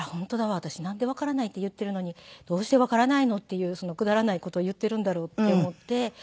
私なんで「わからない」って言っているのに「どうしてわからないの？」っていうくだらない事を言っているんだろうって思って。